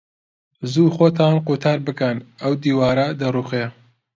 زوو خۆتان قوتار بکەن، ئەو دیوارە دەڕووخێ.